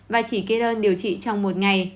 và chỉ kê đơn điều trị trong một ngày